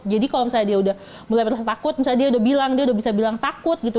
jadi kalau misalnya dia udah mulai rasa takut misalnya dia udah bilang dia udah bisa bilang takut gitu